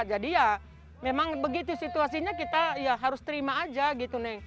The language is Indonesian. jadi ya memang begitu situasinya kita harus terima aja gitu